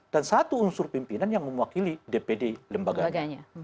dan satu unsur pimpinan yang mewakili dpd lembaganya